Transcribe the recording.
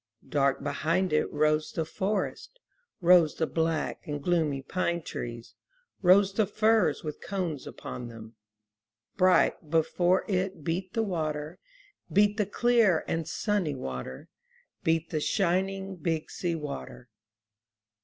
Dark behind it rose the forest, Rose the black and gloomy pine trees. Rose the firs with cones upon them; Bright before it beat the water. Beat the clear and sunny water, Beat the shining Big Sea Water.